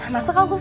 masuk angku saya